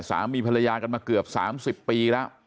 สามีภรรยากันมาเกือบ๓๐ปีแล้ว